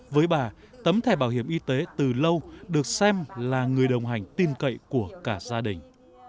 với bà tấm thẻ bảo hiểm y tế từ lâu được xem là người đồng hành tin cậy của cả gia đình